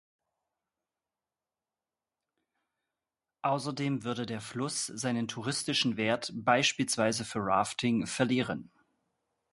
Außerdem würde der Fluss seinen touristischen Wert (beispielsweise für Rafting) verlieren.